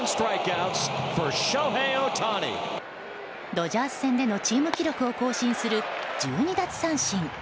ドジャース戦でのチーム記録を更新する１２奪三振。